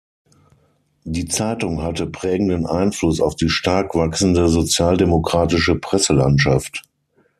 Die Zeitung hatte prägenden Einfluss auf die stark wachsende sozialdemokratische Presselandschaft.